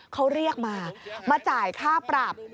เขาเรียกมามาจ่ายค่าปรับ